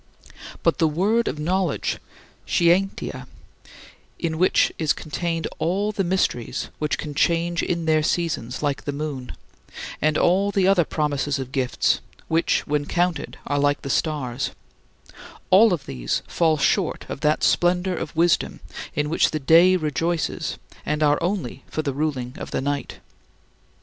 But the word of knowledge, scientia, in which is contained all the mysteries which change in their seasons like the moon; and all the other promises of gifts, which when counted are like the stars all of these fall short of that splendor of Wisdom in which the day rejoices and are only for the ruling of the night.